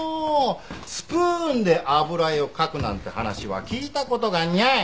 スプーンで油絵を描くなんて話は聞いた事がにゃい！